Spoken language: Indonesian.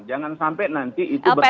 jangan sampai nanti itu berpilihan tanah